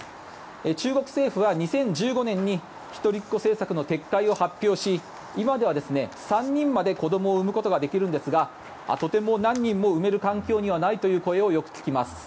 中国政府は２０１５年に一人っ子政策の撤回を発表し今では３人まで子どもを産めることになっているんですがとても何人も産める環境ではないとよく聞きます。